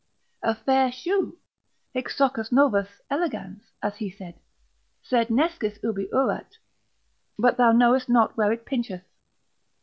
A fair shoe, Hic soccus novus, elegans, as he said, sed nescis ubi urat, but thou knowest not where it pincheth.